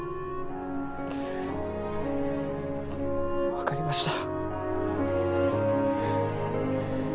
わかりました。